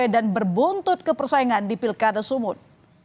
dan berbuntut kepersaingan di pilkada sumut